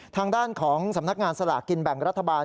ทางด้านของสำนักงานสลากกินแบ่งรัฐบาล